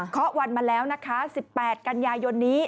เขาวันมาแล้วนะคะ๑๘กันยายนนี้